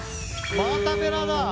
またベラだ。